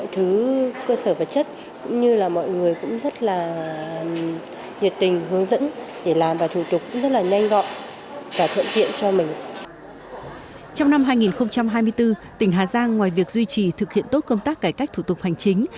trong năm hai nghìn hai mươi bốn tỉnh hà giang ngoài việc duy trì thực hiện tốt công tác cải cách thủ tục hành chính